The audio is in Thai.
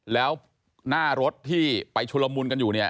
แล้วหน้ารถที่ไปชุรมูลกันอยู่